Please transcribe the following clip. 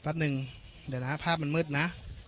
แป๊บนึงเดี๋ยวนะภาพมันมืดนะ